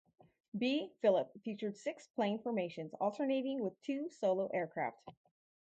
B. Philp, featured six-plane formations alternating with two solo aircraft.